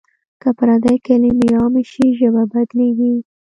که پردۍ کلمې عامې شي ژبه بدلېږي.